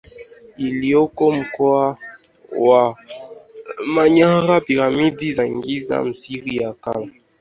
iliyoko mkoa wa Manyara Piramidi za Giza Misri ya Kale